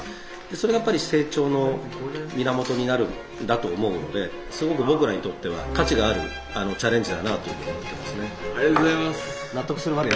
それがやっぱり成長の源になるんだと思うのですごく僕らにとっては価値があるチャレンジだなというふうに思ってますね。